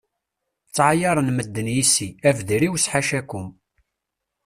Ttɛayaren medden yis-i, abder-iw s ḥacakum.